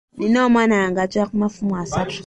Nnina omwana wange atuula ku mafumu asatu.